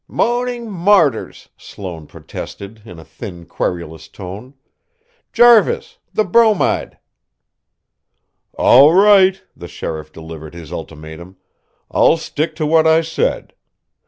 "Moaning martyrs!" Sloane protested in a thin, querulous tone. "Jarvis, the bromide." "All right!" the sheriff delivered his ultimatum. "I'll stick to what I said.